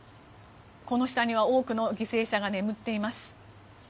この下には多くの犠牲者が眠っています。